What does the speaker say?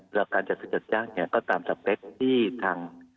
หลักการจัดซื้อจัดจ้างเนี่ยก็ตามสเปคที่ทาง